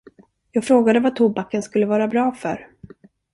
Jag frågade vad tobaken skulle vara bra för.